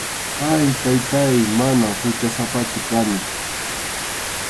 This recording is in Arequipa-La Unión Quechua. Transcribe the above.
Ay, Taytáy, manam huchasapachu kani.